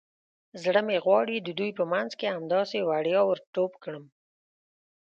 زړه مې غواړي د دوی په منځ کې همداسې وړیا ور ټوپ کړم.